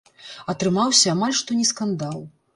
Атрымаўся амаль што не скандал.